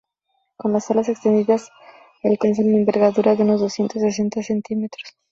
Con las alas extendidas, alcanza una envergadura de unos doscientos sesenta centímetros.